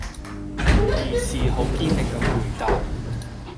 義士好堅定咁回答